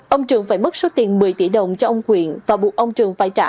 ông trường phải mất số tiền một mươi tỷ đồng cho ông quyện và buộc ông trường phải trả